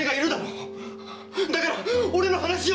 だから俺の話を。